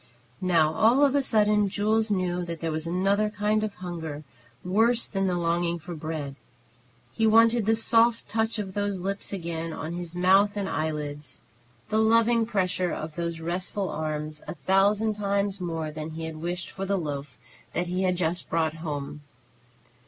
Now all of a sudden Jules knew that there was another kind of hunger worse than the longing for bread. He wanted the soft touch of those lips again on his mouth and eyelids, the loving pressure of those restful arms, a thousand times more than he had wished for the loaf that he had just brought home.